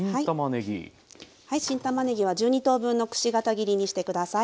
はい新たまねぎは１２等分のくし形切りにして下さい。